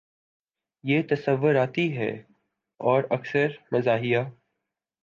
یہ تصوراتی ہے اور اکثر مزاحیہ